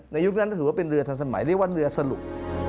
ยุคนั้นถือว่าเป็นเรือทันสมัยเรียกว่าเรือสรุป